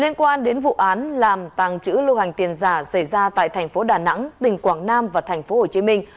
liên quan đến vụ án làm tàng trữ lưu hành tiền giả xảy ra tại thành phố đà nẵng tỉnh quảng nam và thành phố hồ chí minh